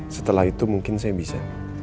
setelah itu mungkin saya bisa